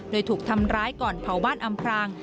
โดยถูกทำร้ายก่อนเผาบ้านอำพราง